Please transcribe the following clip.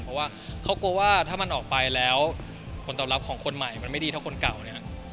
เพราะว่าเขากลัวว่าถ้ามันออกไปแล้วผลตอบรับของคนใหม่มันไม่ดีเท่าคนเก่าเนี่ย